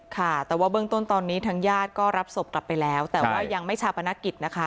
ค่ะแต่ว่าเบื้องต้นตอนนี้ทางญาติก็รับศพกลับไปแล้วแต่ว่ายังไม่ชาปนกิจนะคะ